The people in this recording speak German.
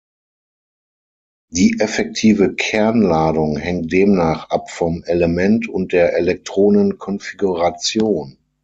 Die effektive Kernladung hängt demnach ab vom Element und der Elektronenkonfiguration.